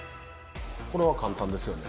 これは簡単ですよね。